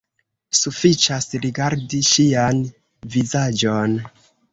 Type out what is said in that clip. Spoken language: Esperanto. Sufiĉas rigardi ŝian vizaĝon.